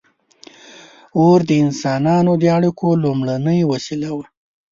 • اور د انسانانو د اړیکو لومړنۍ وسیله وه.